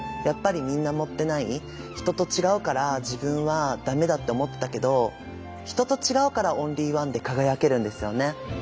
やっぱりみんな持ってない人と違うから自分は駄目だって思ってたけど人と違うからオンリーワンで輝けるんですよね。